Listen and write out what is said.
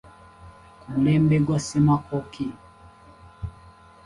Ku mulembe gwa Ssemakookiro